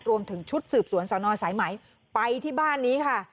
รวมถึงชุดสืบสวนสนสายไหมไปที่บ้านนี้ค่ะ